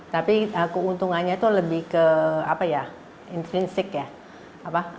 tapi keuntungannya itu lebih ke apa ya infrinsic ya